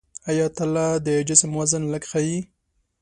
آیا تله د جسم وزن لږ ښيي؟